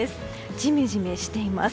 ジメジメしています。